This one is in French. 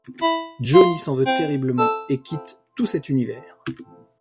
Johnny s'en veut terriblement et quitte tout cet univers.